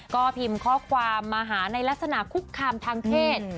ก็พิมพ์ข้อความมาหาในลักษณะคุกคามทางเพศ